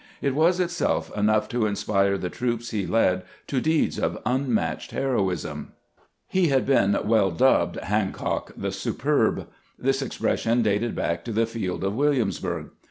It was itself enough to inspire the troops he led to deeds of un 58 CAMPAIGNING WITH GKANT matched heroism. He had been well dubbed " Hancock the Superb." This expression dated back to the field of Williamsburg.